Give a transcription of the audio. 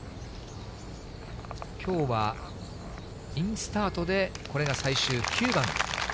きょうはインスタートで、これが最終９番。